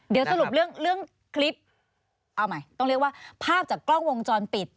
เดี๋ยวสรุปเรื่องคลิปเอาใหม่ต้องเรียกว่าภาพจากกล้องวงจรปิด